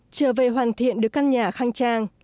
trở về hoàn thiện được căn nhà khang trang